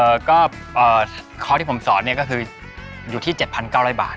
เอ่อก็คอร์สที่ผมสอนเนี่ยก็คืออยู่ที่๗๙๐๐บาท